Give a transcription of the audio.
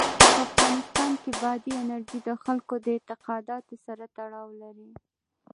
په افغانستان کې بادي انرژي د خلکو د اعتقاداتو سره تړاو لري.